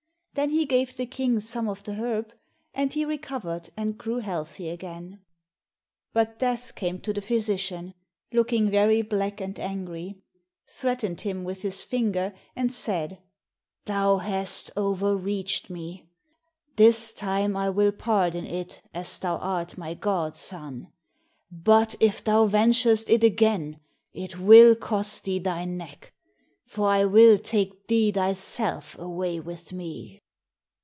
Then he gave the King some of the herb, and he recovered and grew healthy again. But Death came to the physician, looking very black and angry, threatened him with his finger, and said, "Thou hast overreached me; this time I will pardon it, as thou art my godson; but if thou venturest it again, it will cost thee thy neck, for I will take thee thyself away with me."